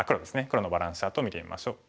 黒のバランスチャートを見てみましょう。